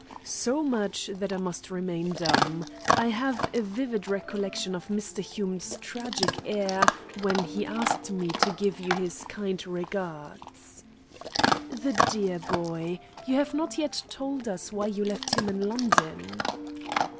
"So much that I must remain dumb. I have a vivid recollection of Mr. Hume's tragic air when he asked me to give you 'his kind regards.'" "The dear boy! You have not yet told us why you left him in London."